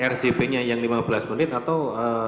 rgp nya yang lima belas menit atau